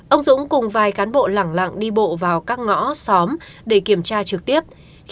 ông dũng cùng vài cán bộ lẳng lặng đi bộ vào các ngõ xóm để kiểm tra trực tiếp